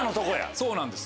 そうなんですよ。